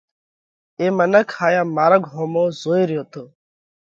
اي منک هايا مارڳ ۿومو زوئي ريو تو۔